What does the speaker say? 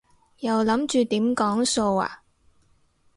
又諗住點講數啊？